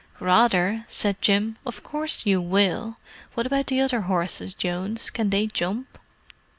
"Rather!" said Jim. "Of course you will. What about the other horses, Jones? Can they jump?"